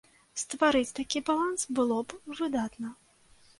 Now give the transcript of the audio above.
Стварыць такі баланс было б выдатна.